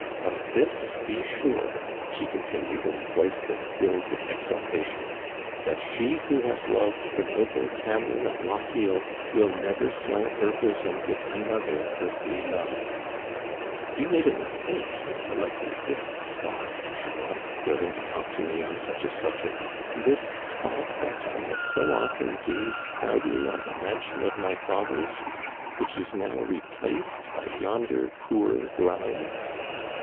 Of this be sure," she continued in a voice that thrilled with exaltation. " that she who has loved iS Digitized by VjOOQIC 274 THE CANADIANS OF OLD. the noble Cameron of Lochiel will never soîl her bosom with another earthly love. You made a mistake in se lecting this spot, Jules, wherein to talk to me on such a subject — this spot whence I have so often gazed proudly on the mansion of my fathers, which is now replaced by yonder poor dwelling.